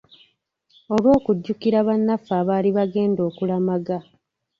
Olw'okujjukira banaffe abaali baagenda okulamaga.